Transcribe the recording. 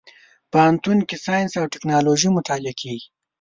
پوهنتون کې ساينس او ټکنالوژي مطالعه کېږي.